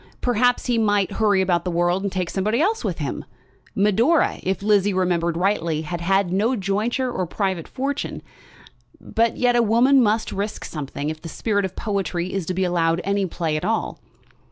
Perhaps he might hurry about the world and take somebody else with him. Medora, if Lizzie remembered rightly, had had no jointure or private fortune. But yet a woman must risk something if the spirit of poetry is to be allowed any play at all!